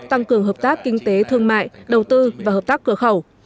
tăng cường hợp tác kinh tế thương mại đầu tư và hợp tác cửa khẩu